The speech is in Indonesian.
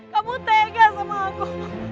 kamu tegas sama aku